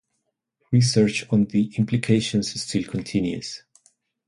Research on the implications still continues.